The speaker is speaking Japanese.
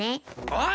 おい！